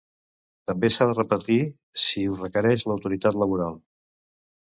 També s'ha de repetir si ho requereix l'autoritat laboral.